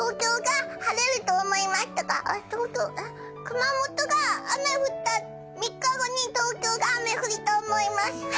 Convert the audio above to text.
熊本が雨降った３日後に東京が雨降りと思います。